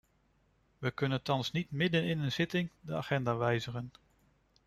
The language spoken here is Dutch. We kunnen thans niet midden in een zitting de agenda wijzigen.